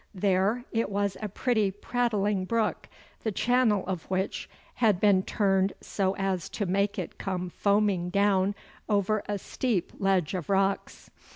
There it was a pretty prattling brook, the channel of which had been turned so as to make it come foaming down over a steep ledge of rocks.